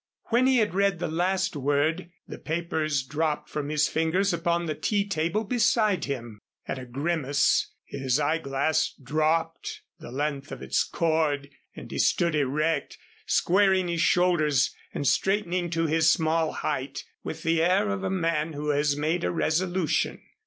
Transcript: When he had read the last word, the papers dropped from his fingers upon the tea table beside him. At a grimace his eye glass dropped the length of its cord and he stood erect, squaring his shoulders and straightening to his small height with the air of a man who has made a resolution.